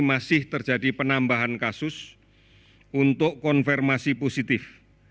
masih terjadi penambahan kasus untuk konfirmasi positif